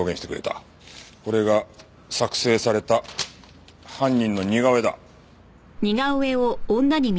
これが作成された犯人の似顔絵だ。